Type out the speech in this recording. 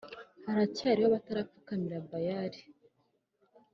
Haracyariho abatarapfukamira bayari